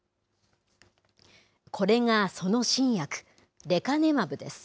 これがその新薬、レカネマブです。